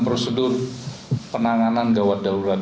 prosedur penanganan gawat daurat